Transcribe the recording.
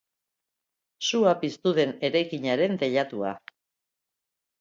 Sua piztu den eraikinaren teilatua.